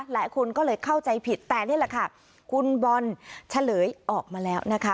หลายคนก็เลยเข้าใจผิดแต่นี่แหละค่ะคุณบอลเฉลยออกมาแล้วนะคะ